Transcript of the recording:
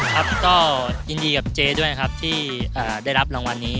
ครับก็ยินดีกับเจ๊ด้วยครับที่ได้รับรางวัลนี้